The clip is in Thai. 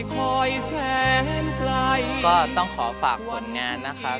ก็ต้องขอฝากผลงานนะครับ